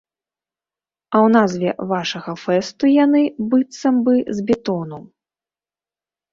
А ў назве вашага фэсту яны, быццам бы з бетону.